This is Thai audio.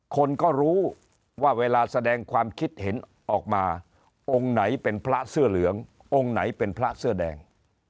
คนก็รู้ว่าเวลาแสดงความคิดเห็นออกมาองค์ไหนเป็นพระเสื้อเหลืององค์ไหนเป็นพระเสื้อแดง